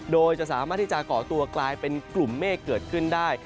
โดยจะสามารถที่จะก่อตัวกลายเป็นกลุ่มเมฆเกิดขึ้นได้